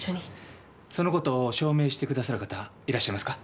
その事を証明してくださる方いらっしゃいますか？